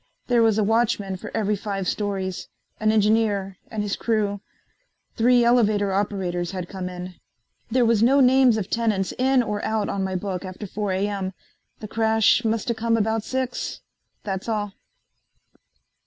There was a watchman for every five stories. An engineer and his crew. Three elevator operators had come in. There was no names of tenants in or out on my book after 4 A.M. The crash musta come about 6. That's all."